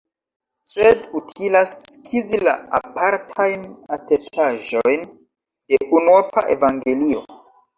Sed utilas skizi la apartajn atestaĵojn de unuopa evangelio.